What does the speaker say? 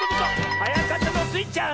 はやかったのはスイちゃん。